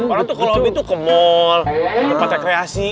orang tuh kalau hobi tuh ke mall tempat rekreasi